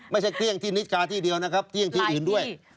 ไม่ใช่เกลี้ยงที่นิตย์การ์ที่เดียวนะครับเกลี้ยงที่อื่นด้วย